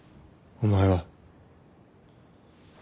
お前は